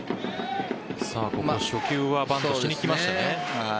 初球はバントしにきましたね。